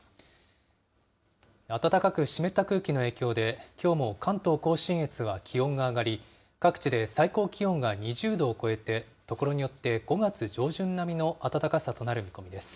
暖かく湿った空気の影響で、きょうも関東甲信越は気温が上がり、各地で最高気温が２０度を超えて、所によって５月上旬並みの暖かさとなる見込みです。